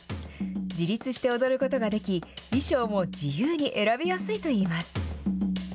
自立して踊ることができ衣装も自由に選びやすいと言います。